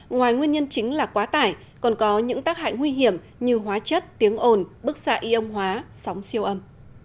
ngoài nguyên nhân chính là quá tải còn có những tác hại nguy hiểm như hóa chất tiếng ồn bức xạ y âm hóa sóng siêu âm